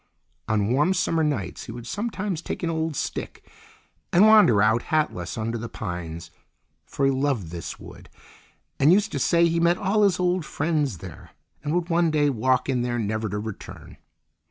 On warm summer nights he would sometimes take an old stick and wander out, hatless, under the pines, for he loved this wood, and used to say he met all his old friends there, and would one day walk in there never to return.